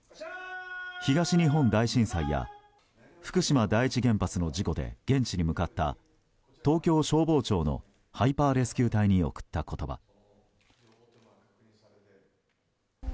東日本大震災や福島第一原発の事故で現地に向かった東京消防庁のハイパーレスキュー隊に贈った言葉。